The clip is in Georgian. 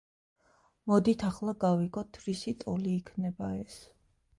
მოდით ახლა გავიგოთ რისი ტოლი იქნება ეს.